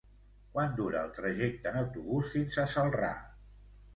Quant dura el trajecte en autobús fins a Celrà?